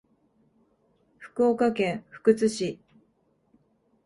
福岡県福津市